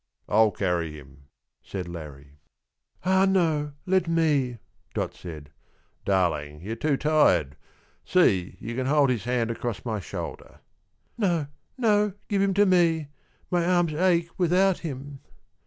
"I'll carry him," said Larrie. "Ah no, let me," Dot said. "Darling, you're too tired see, you can hold his hand across my shoulder." "No, no, give him to me my arms ache without him."